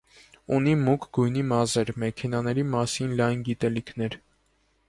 Ունի մուգ գույնի մազեր, մեքենաների մասին լայն գիտելիքներ։